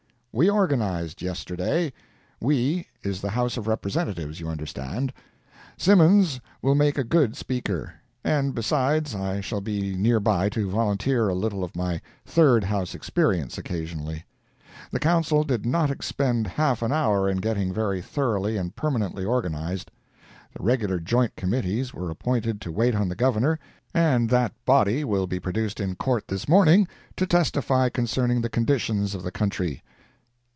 We organized yesterday. "We" is the House of Representatives, you understand. Simmons will make a good Speaker; and, besides, I shall be nearby to volunteer a little of my Third House experience, occasionally. The Council did not expend half an hour in getting very thoroughly and permanently organized. The regular joint committees were appointed to wait on the Governor, and that Body will be produced in Court this morning to testify concerning the condition of the country.